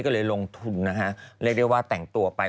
ก็เลยลงทุนนะฮะเรียกได้ว่าแต่งตัวไป